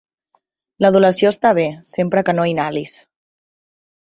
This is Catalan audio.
L'adulació està bé, sempre que no inhalis.